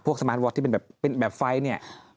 พวกสมาร์ทที่เป็นแบบไฟ